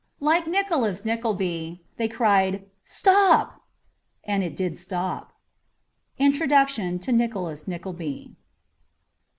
' Like Nicholas Nickleby, they cried * Stop !' And it did stop. Introduction to ^Nicholas Nickleby.''